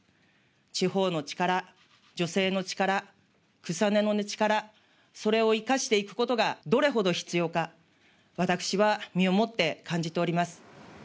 地方の力、女性の力、草の根の力、それを生かしていくことがどれほど必要か、私は身をもって感じております。